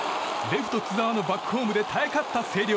レフト津澤のバックホームで耐え勝った星稜。